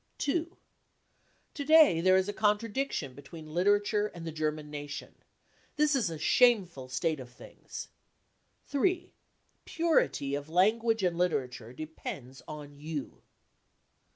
2. To day there is a contradiction between literature and the German nation. This is a shameful state of things. 3. Purity of language and literature depends on you